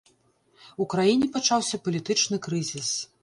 У краіне пачаўся палітычны крызіс.